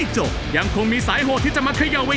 ช่วยฝังดินหรือกว่า